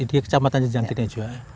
di kecamatan jejangkitnya juga